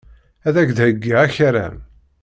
Ad ak-d-heyyiɣ akaram.